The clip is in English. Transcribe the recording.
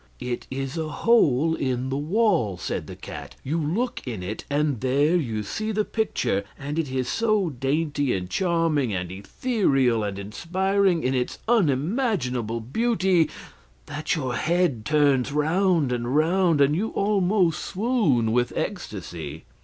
"It is a hole in the wall," said the cat. "You look in it, and there you see the picture, and it is so dainty and charming and ethereal and inspiring in its unimaginable beauty that your head turns round and round, and you almost swoon with ecstasy."